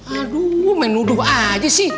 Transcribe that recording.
aduh menuduh aja sih